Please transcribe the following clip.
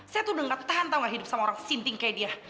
saya tuh udah gak tertahan tahu gak hidup sama orang sinting kayak dia